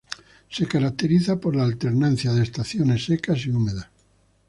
Se caracteriza por la alternancia de estaciones secas y húmedas.